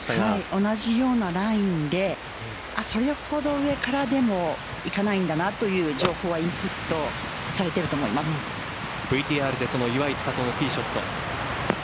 同じようなラインでそれほど上からでも行かないんだなという情報はＶＴＲで岩井千怜のティーショット。